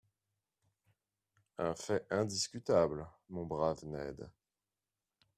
—Un fait indiscutable, mon brave Ned.